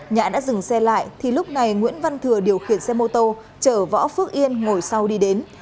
nhã đã dừng xe lại thì lúc này nguyễn văn thừa điều khiển xe mô tô chở võ phước yên ngồi sau đi đến